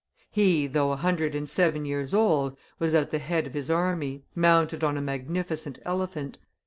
He, though a hundred and seven years old, was at the head of his army, mounted on a magnificent elephant.